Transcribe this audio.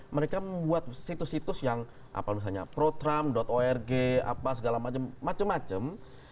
mereka membuat situs situs yang misalnya protrump org apa segala macam macem macem